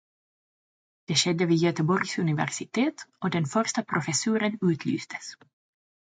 Det skedde vid Göteborgs universitet och den första professuren utlystes.